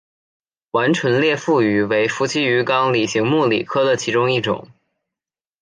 完唇裂腹鱼为辐鳍鱼纲鲤形目鲤科的其中一种。